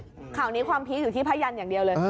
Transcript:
ครับคร่าวนี้ความพีชอยู่ชิ้นผ้ายันอย่างเดียวเลย